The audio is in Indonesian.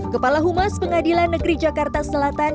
kepala humas pengadilan negeri jakarta selatan